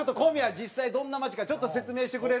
実際どんな街かちょっと説明してくれる？